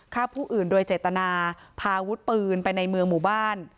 ฆ่าผู้อื่นโดยเจตนาพาวุธปืนไปในเมืองหมู่บ้าน